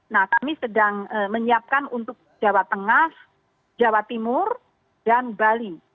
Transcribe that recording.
nah kami sedang menyiapkan untuk jawa tengah jawa timur dan bali